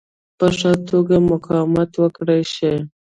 په ښه توګه مقاومت وکړای شي.